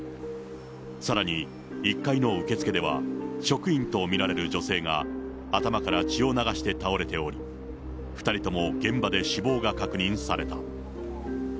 さらに、１階の受付では、職員と見られる女性が頭から血を流して倒れており、２人とも現場で死亡が確認された。